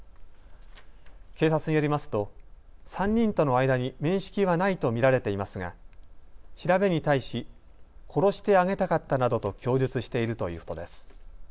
警察によりますと３人との間に面識はないと見られていますが調べに対し殺してあげたかったなどと供述しているということです。